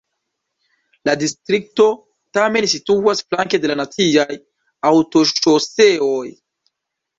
La distrikto tamen situas flanke de la naciaj aŭtoŝoseoj.